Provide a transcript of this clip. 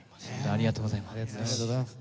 ありがとうございます。